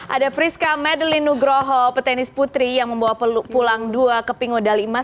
ada priska medly nugroho petenis putri yang membawa pulang dua keping medali emas